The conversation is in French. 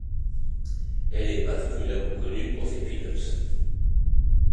Elle est particulièrement connue pour ses pin-ups.